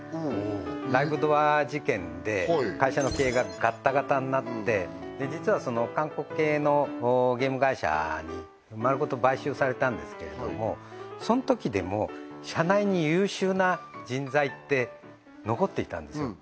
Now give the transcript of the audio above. ライブドア事件で会社の経営がガッタガタになって実は韓国系のゲーム会社に丸ごと買収されたんですけれどもそのときでも社内に優秀な人材って残っていたんですよ